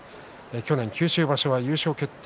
去年九州場所は優勝決定